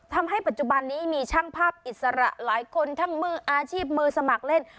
ทำให้ปัจจุบันนี้มีช่างภาพอิสระหลายคนทั้งมืออาชีพมือสมัครเล่น